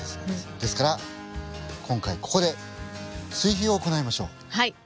ですから今回ここで追肥を行いましょう！